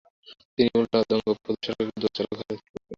তিনি উল্টাদঙ্গ প্রধান সড়কে একটি দো-তলা ঘরে থাকতেন।